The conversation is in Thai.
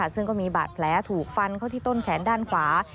ซึ่งก็มีบาดแผลถูกฟันเข้าที่ต้นแขนด้านขวา